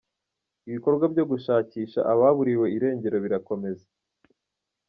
Ibikorwa byo gushakisha ababuriwe irengero birakomeze.